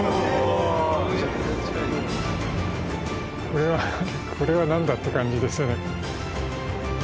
これはこれは何だって感じですよね。